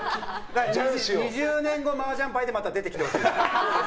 ２０年後、マージャン牌でまた出てきてほしいよね。